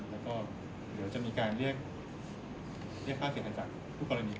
แล้วจะมีการเรียกภาษาเสียหายจากผู้กรณีเพียง